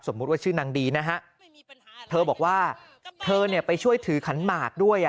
ว่าชื่อนางดีนะฮะเธอบอกว่าเธอเนี่ยไปช่วยถือขันหมากด้วย